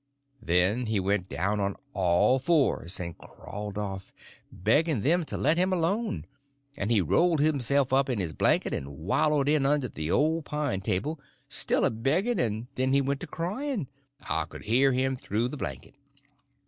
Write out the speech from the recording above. Then he went down on all fours and crawled off, begging them to let him alone, and he rolled himself up in his blanket and wallowed in under the old pine table, still a begging; and then he went to crying. I could hear him through the blanket.